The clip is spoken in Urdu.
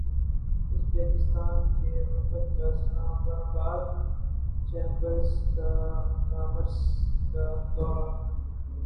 ازبکستان کے وفد کا اسلام باد چیمبر کامرس کا دورہ